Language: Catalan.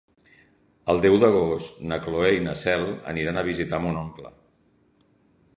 El deu d'agost na Cloè i na Cel aniran a visitar mon oncle.